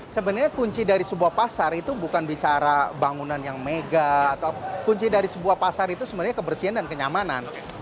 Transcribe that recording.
sebenarnya kunci dari sebuah pasar itu bukan bicara bangunan yang mega atau kunci dari sebuah pasar itu sebenarnya kebersihan dan kenyamanan